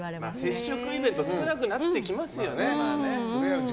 接触イベント少なくなってきますよね。